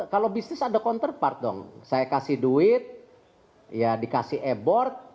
kalau bisnis ada counterpart dong saya kasih duit ya dikasih e board